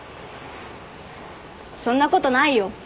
そんなことないよ。